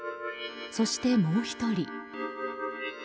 そして、もう１人。